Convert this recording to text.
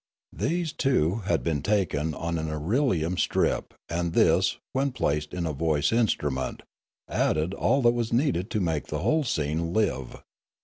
These, too, had been taken on an irelium strip and this, when placed in a voice instrument, added all that was needed to make the whole scene live.